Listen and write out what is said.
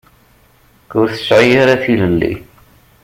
Ur tesɛi ara tilelli.